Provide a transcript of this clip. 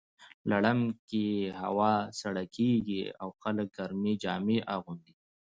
لړم کې هوا سړه کیږي او خلک ګرمې جامې اغوندي.